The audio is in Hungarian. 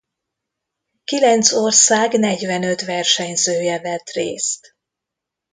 Kilenc ország negyvenöt versenyzője vett részt.